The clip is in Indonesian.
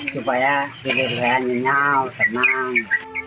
supaya hidupnya nyau tenang